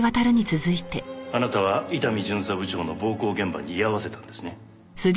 あなたは伊丹巡査部長の暴行現場に居合わせたんですね？